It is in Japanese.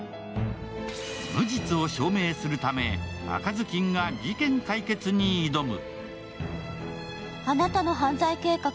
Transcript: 無実を証明するため、赤ずきんが事件解決に挑む。